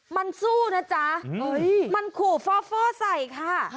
มันสู้นะจ๊ะมันขู่ฟ่อใส่ค่ะ